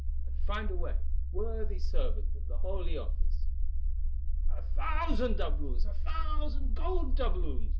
and find a way, worthy servant of the Holy Office." "A thousand doubloons!—a thousand gold doubloons!"